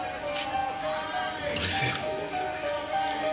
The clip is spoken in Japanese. うるせえな。